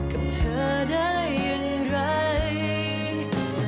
กับเธอได้อย่างไร